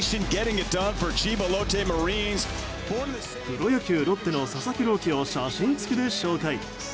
プロ野球、ロッテの佐々木朗希を写真付きで紹介。